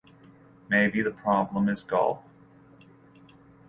Maybe the problem is golf.